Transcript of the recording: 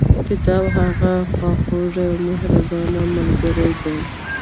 کتاب هغه خواخوږي او مهربانه ملګري دي.